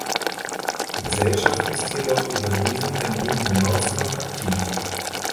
Die Gesellschaft ist jedoch über diesen Termin hinaus noch aktiv.